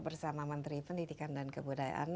bersama menteri pendidikan dan kebudayaan